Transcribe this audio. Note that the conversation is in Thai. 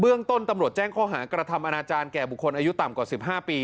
เรื่องต้นตำรวจแจ้งข้อหากระทำอนาจารย์แก่บุคคลอายุต่ำกว่า๑๕ปี